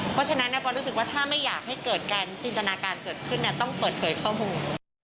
เพราะฉะนั้นปอนรู้สึกว่าถ้าไม่อยากให้เกิดการจินตนาการเกิดขึ้นต้องเปิดเผยข้อมูล